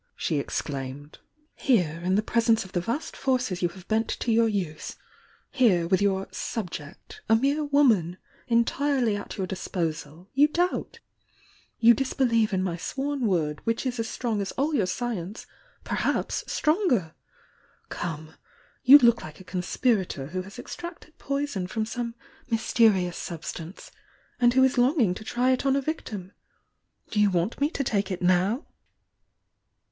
she exclaimed. "Here, in the presence of the vast forces you have bent to .your use, — here, with your 'subject,' a mere woman, entirely at your disposal, you doubt! — you disbelieve in my sworn word, which is as strong as all your science, perhaps strong er! Come! — you look like a conspirator who has extracted poison from some mysterious substance, and who is longing to try it on a victim! Do you want me to take it now?"